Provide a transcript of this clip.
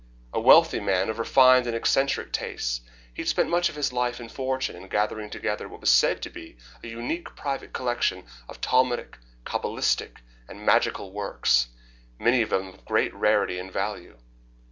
A wealthy man of refined and eccentric tastes, he had spent much of his life and fortune in gathering together what was said to be a unique private collection of Talmudic, cabalistic, and magical works, many of them of great rarity and value.